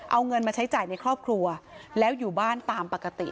เอาเงินมาใช้จ่ายในครอบครัวแล้วอยู่บ้านตามปกติ